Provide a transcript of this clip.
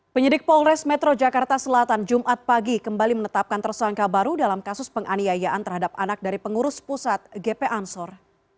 penyidik polres metro jakarta selatan jumat pagi kembali menetapkan tersangka baru dalam kasus penganiayaan terhadap anak dari pengurus pusat gp ansor